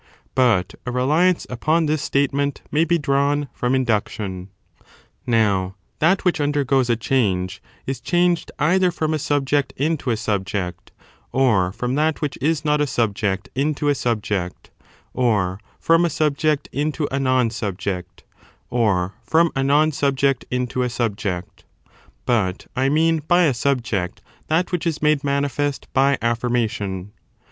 But a reliance upon this state ment may be drawn from induction. Now, that which imdergoes a 6hange is changed neraof changes, either from a subject into a subject, or from that which is not a subject into a subject, or from a subject into a non subject, or from a non subject into a subject :^ but I mean by a subject that which is made ma nifest by afl&rmation.